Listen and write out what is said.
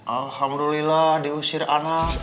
alhamdulillah diusir anak